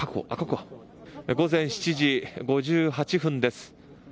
午前７時５８分です。